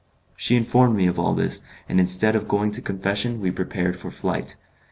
She informed me of all this, and instead of going to confession we prepared for flight.